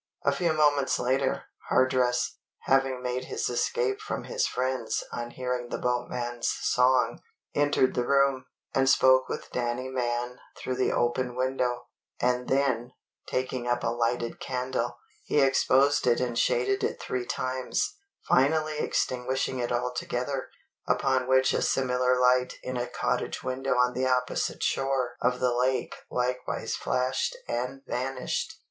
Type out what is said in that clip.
A few moments later, Hardress, having made his escape from his friends on hearing the boatman's song, entered the room, and spoke with Danny Mann through the open window; and then, taking up a lighted candle, he exposed it and shaded it three times, finally extinguishing it altogether, upon which a similar light in a cottage window on the opposite shore of the lake likewise flashed and vanished.